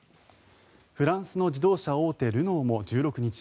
フランスの自動車大手ルノーも１６日